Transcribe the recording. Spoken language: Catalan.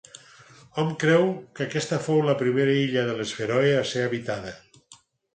Hom creu que aquesta fou la primera illa de les Fèroe a ser habitada.